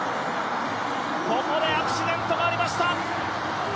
ここでアクシデントがありました。